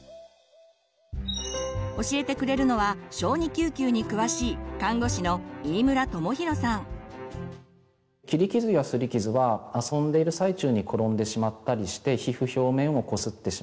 教えてくれるのは小児救急に詳しい切り傷やすり傷は遊んでいる最中に転んでしまったりして皮膚表面を擦ってしまったり。